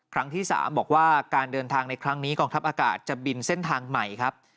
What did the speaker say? ครั้งที่๓บอกว่าการเดินทางในครั้งนี้กองทัพอากาศจะบินเส้นทางใหม่ครับ